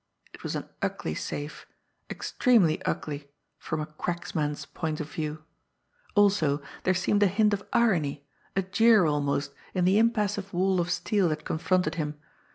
It was an ugly safe, extremely ugly from a cracksman's point of view! Also, there seemed a hint of irony, a jeer almost, in the impassive wall of steel that confronted him.